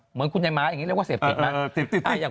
เหมือนคุณนายม้าอย่างนี้เรียกว่าเสพเท็จมั้ย